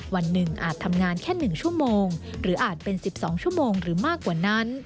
วันหนึ่งอาจทำงานแค่๑ชั่วโมงหรืออาจเป็น๑๒ชั่วโมงหรือมากกว่านั้น